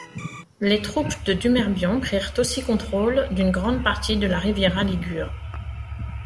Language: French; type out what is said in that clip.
Les troupes de Dumerbion prirent aussi contrôle d'une grande partie de la Riviera ligure.